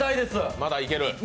まだいける？